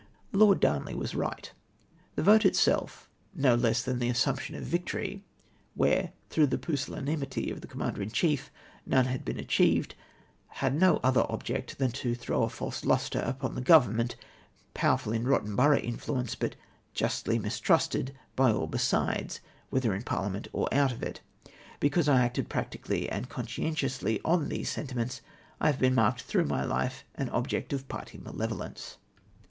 Lord Darnley was right ; the vote itself, no less tlian tlie assumption of victory, where, tlirougli the pusil lanimity of the Commander in cliief, none had been achieved, had no other ol^ject than to " throw a false lustre upon a Government" powerful in rotten borough influence, but justly mistrusted by all besides, whether in Parhament or out of it. Because I acted practically and conscientiously on these sentiments, I have been marked through life an obj'ect of party malevolence.